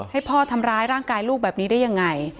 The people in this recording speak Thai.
ให้พ่อทำร้ายร่างกายลูกแบบนี้ได้ยังไง